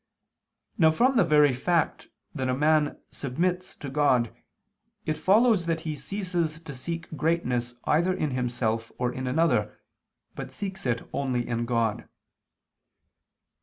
Now from the very fact that a man submits to God, it follows that he ceases to seek greatness either in himself or in another but seeks it only in God.